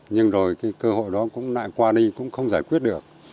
nhưng rồi cái cơ hội đó cũng lại qua đi cũng không giải quyết được